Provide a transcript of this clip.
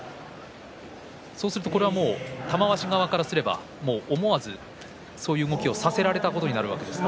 そうすると玉鷲側からすると思わずそういう動きをさせられたということですか？